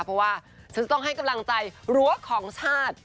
เพราะว่าฉันจะต้องให้กำลังใจรั้วของชาติ